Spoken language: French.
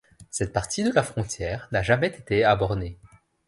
Cette partie de la frontière n'a jamais été abornée.